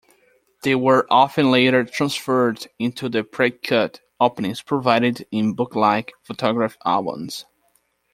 They were often later transferred into the precut openings provided in book-like photograph albums.